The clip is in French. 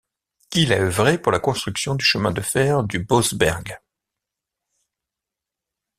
Il a œuvré pour la construction du chemin de fer du Bözberg.